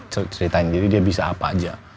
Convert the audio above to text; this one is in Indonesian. ceritain jadi dia bisa apa aja